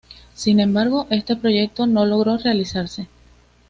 Sin embargo, este proyecto no logró realizarse.